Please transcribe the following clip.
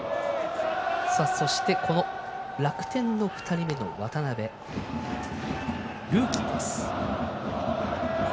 楽天の２人目の渡辺ルーキーです。